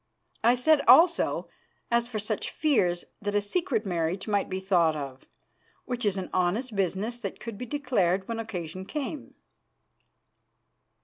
I said also, as for such fears, that a secret marriage might be thought of, which is an honest business that could be declared when occasion came."